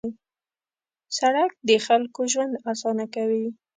سړک د خلکو ژوند اسانه کوي.